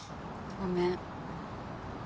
ごめん。